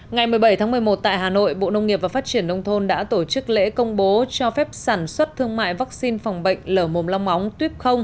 ngày một mươi bảy tháng một mươi một tại hà nội bộ nông nghiệp và phát triển nông thôn đã tổ chức lễ công bố cho phép sản xuất thương mại vaccine phòng bệnh lở mồm long móng tuyếp